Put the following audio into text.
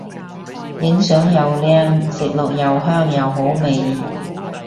影相又靚食落又香又好味